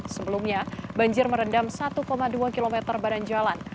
sebelumnya banjir merendam satu dua km badan jalan